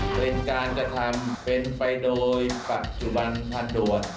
เป็นการกระทำเป็นไปโดยปัจจุบันทันด่วน